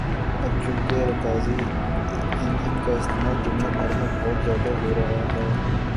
اب چونکہ رکازی ایندھن کا استعمال دنیا بھر میں بہت زیادہ ہورہا ہے